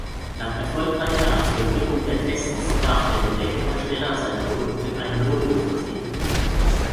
Nach erfolgreicher Absolvierung der Tests darf der Gerätehersteller sein Produkt mit einem Logo versehen.